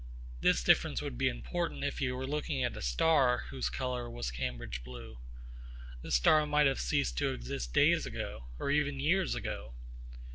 This difference would be important if he were looking at a star whose colour was Cambridge blue. The star might have ceased to exist days ago, or even years ago.